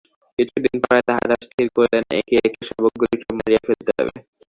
কিছুদিন পরে তাঁহারা স্থির করিলেন, একে একে শাবকগুলি সব মারিয়া ফেলিতে হইবে।